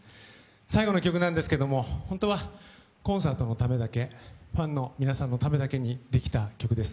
最後の曲なんですけれども、本当はコンサートのためだけ、ファンのためだけに作られた曲です。